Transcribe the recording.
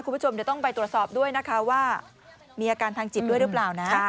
คุณผู้ชมเดี๋ยวต้องไปตรวจสอบด้วยนะคะว่ามีอาการทางจิตด้วยหรือเปล่านะ